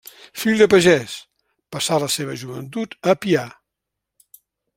Fill de pagès, passà la seva joventut a Pià.